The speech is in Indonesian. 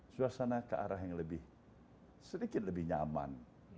suasana kearah yang lebih sedikit lebih nyaman